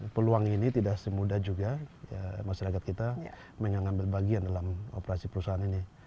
peluang ini tidak semudah juga masyarakat kita mengambil bagian dalam operasi perusahaan ini